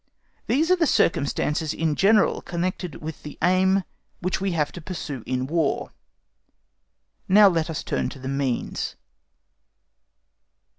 These are the circumstances in general connected with the aim which we have to pursue in War; let us now turn to the means.